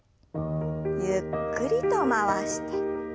ゆっくりと回して。